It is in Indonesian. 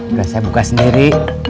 biar saya buka sendiri